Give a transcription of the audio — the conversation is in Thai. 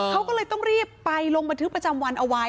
เขาก็เลยต้องรีบไปลงบันทึกประจำวันเอาไว้